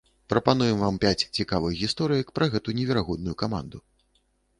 Прапануем вам пяць цікавых гісторыек пра гэту неверагодную каманду.